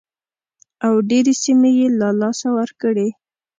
او ډېرې سیمې یې له لاسه ورکړې.